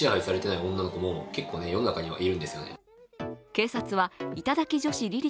警察は、頂き女子りり